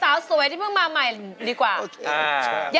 ต้องภูมิใจกับเขา๓ท่านนะครับ